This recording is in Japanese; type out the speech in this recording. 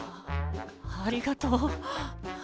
ありがとう。